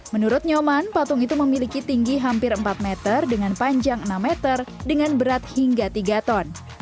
menurut nyoman patung itu memiliki tinggi hampir empat meter dengan panjang enam meter dengan berat hingga tiga ton